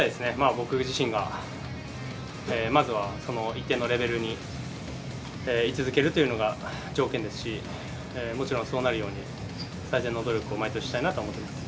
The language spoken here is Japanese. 僕自身がまずは、一定のレベルにい続けるというのが条件ですし、もちろんそうなるように、最善の努力を毎年したいなと思ってます。